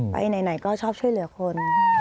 ไปไหนก็ชอบช่วยเหลือคน